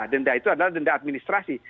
denda itu adalah denda administrasi